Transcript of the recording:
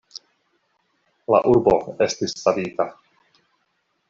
La urbo estis savita.